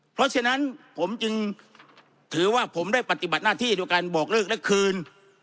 เพราะฉะนั้นผมจึงถือว่าผมได้ปฏิบัติหน้าที่โดยการบอกเลิกและคืน